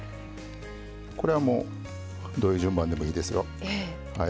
これはどういう順番でもいいですよ。